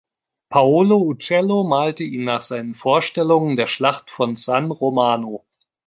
Paolo Uccello malte ihn nach seinen Vorstellungen der Schlacht von San Romano.